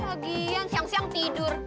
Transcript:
lagian siang siang tidur